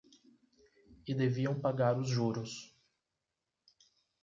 E deviam pagar os juros.